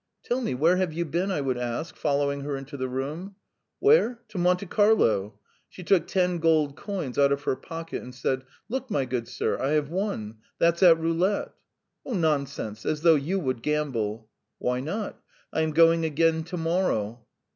"Tell me, where have you been?" I would ask, following her into the room. "Where? To Monte Carlo." She took ten gold coins out of her pocket and said: "Look, my good sir; I have won. That's at roulette." "Nonsense! As though you would gamble." "Why not? I am going again to morrow."